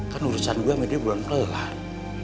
kan urusan gue sama dia buang kelar